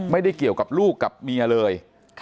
ไม่ได้เกี่ยวกับลูกกับเมียเลย